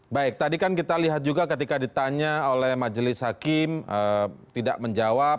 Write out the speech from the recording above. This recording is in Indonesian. baik tadi kan kita lihat juga ketika ditanya oleh majelis hakim tidak menjawab